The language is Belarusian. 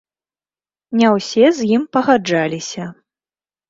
Не ўсе з ім пагаджаліся.